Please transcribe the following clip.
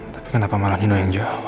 tapi kenapa malah nino yang jawab